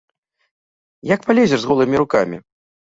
Як палезеш з голымі рукамі?